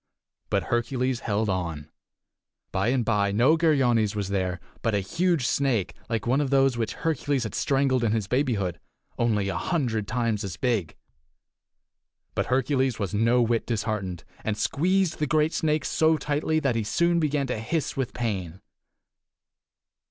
But Hercules held on. By and by no Geryones was there, but a huge snake like one of those which Hercules had strangled in his babyhood, only a hundred times as big. But Hercules was no whit disheartened, and squeezed the great snake so tightly that he soon began to hiss with pain.